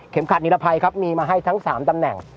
เข็มขาดนิรภัยมีมาให้ทั้ง๓ตำแหน่ง